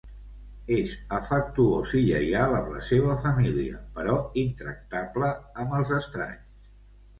És afectuós i lleial amb la seva família, però intractable amb els estranys.